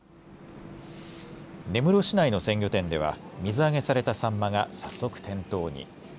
根室市内の鮮魚店では水揚げされたサンマが早速、店頭に。